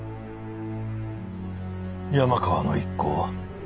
山川の一行は？